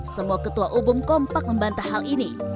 semua ketua umum kompak membantah hal ini